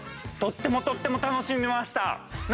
とってもとっても楽しみました。